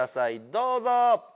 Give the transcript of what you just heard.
どうぞ！